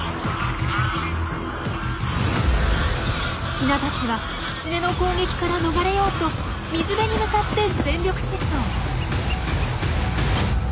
ヒナたちはキツネの攻撃から逃れようと水辺に向かって全力疾走。